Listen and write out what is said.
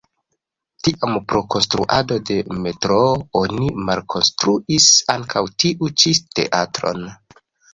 Tiam pro konstruado de metroo oni malkonstruis ankaŭ tiu ĉi teatron.